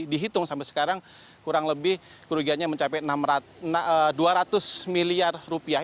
dihitung sampai sekarang kurang lebih kerugiannya mencapai dua ratus miliar rupiah